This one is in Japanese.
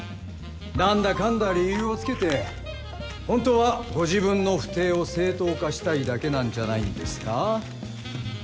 何だかんだ理由をつけて本当はご自分の不貞を正当化したいだけなんじゃないんですか？